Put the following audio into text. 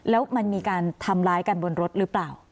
แล้วมันมีการทำร้ายกันบนรถหรือเปล่า